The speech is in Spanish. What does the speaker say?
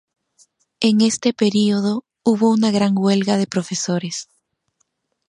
En este período hubo una gran huelga de profesores.